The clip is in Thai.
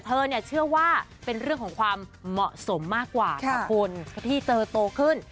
เธอเนี่ยเชื่อว่าเป็นเรื่องของความเหมาะสมมากกว่าค่ะคุณที่เจอโตขึ้น